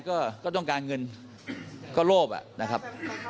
ก็ไม่มีอะไรก็ต้องการเงินก็โลบนะครับ